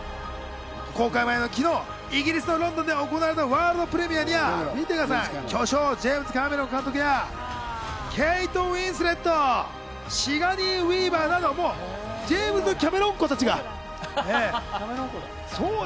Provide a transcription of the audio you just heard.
公開前の昨日、イギリスのロンドンで行われたワールド・プレミアに巨匠・ジェームズ・キャメロン監督やケイト・ウィンスレット、シガニー・ウィーバーなどジェームズ・キャメロンっ子たちが。